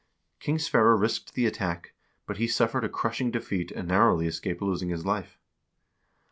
King Sverre risked the attack, but he suffered a crushing defeat, and narrowly escaped losing his life.